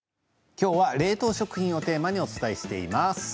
今日は冷凍食品をテーマにお伝えしています。